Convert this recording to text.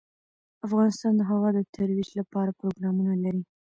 افغانستان د هوا د ترویج لپاره پروګرامونه لري.